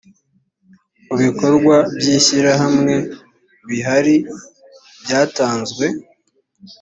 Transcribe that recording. mu bikorwa by ishyirahamwe bihri byatanzwe